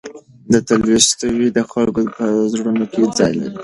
تولستوی د خلکو په زړونو کې ځای لري.